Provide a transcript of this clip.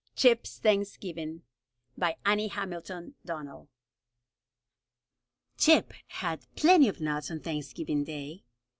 CHIP'S THANKSGIVING BY ANNIE HAMILTON DONNELL. Chip had plenty of nuts on Thanksgiving Day.